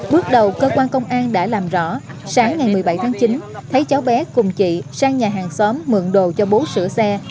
bước đầu cơ quan công an đã làm rõ sáng ngày một mươi bảy tháng chín thấy cháu bé cùng chị sang nhà hàng xóm mượn đồ cho bố sửa xe